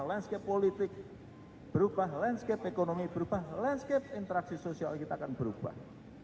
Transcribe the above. landscape politik berubah landscape ekonomi berubah landscape interaksi sosial kita akan berubah